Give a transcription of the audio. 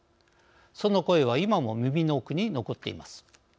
その声は今も耳の奥に残っています。